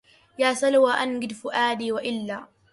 يا سلوى أنجد فؤادي وإلا